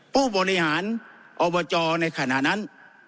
ผู้บริหารอบจในขณะนั้น